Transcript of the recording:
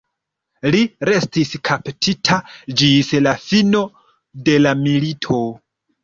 Li restis kaptita ĝis la fino de la milito.